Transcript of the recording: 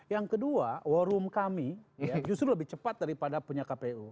yang kedua war room kami justru lebih cepat daripada punya kpu